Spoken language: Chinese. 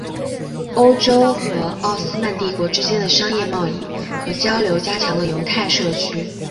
欧洲和奥斯曼帝国之间的商业贸易和交流加强了犹太社区。